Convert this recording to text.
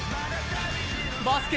バスケ